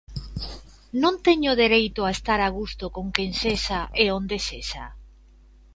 Non teño dereito a estar a gusto con quen sexa e onde sexa?